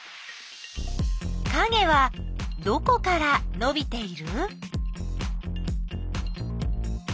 かげはどこからのびている？